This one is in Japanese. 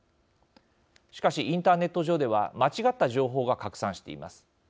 しかし、インターネット上では間違った情報が拡散しています。